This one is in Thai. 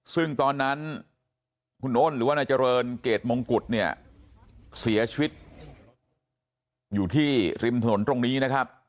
ซึ่งตอนนั้นคุณอ้นหรือว่านายเจริญเกรดมงกุฎเนี่ยเสียชีวิตอยู่ที่ริมถนนตรงนี้นะครับ